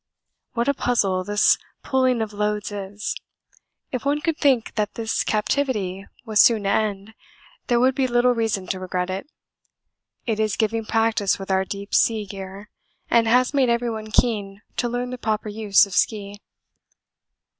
What a puzzle this pulling of loads is! If one could think that this captivity was soon to end there would be little reason to regret it; it is giving practice with our deep sea gear, and has made everyone keen to learn the proper use of ski.